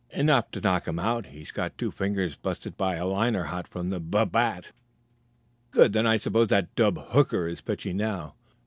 "Enough to knock him out; he got two fingers busted by a liner hot from the bub bat." "Good! Then I suppose that dub Hooker is pitching now?"